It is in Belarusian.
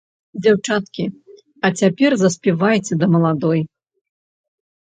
Дзяўчаткі, а цяпер заспявайце да маладой.